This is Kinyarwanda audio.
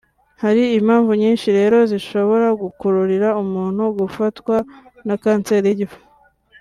Hari impamvu nyinshi rero zishobora gukururira umuntu gufatwa na kanseri y’igifu